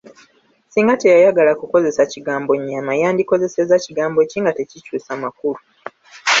Singa teyayagala kukozesa kigambo nnyama, yandikozesezza kigambo ki nga tekikyusa makulu?